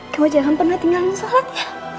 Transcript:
kamu jangan pernah tinggal sholat ya